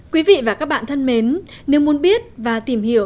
quý vị và các bạn thân mến nếu muốn biết và tìm hiểu